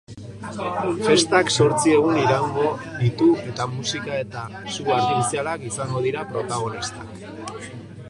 Festak zortzi egun iraungo ditu eta musika eta su artifizialak izango dira protagonista.